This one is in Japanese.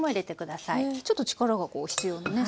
ちょっと力がこう必要なね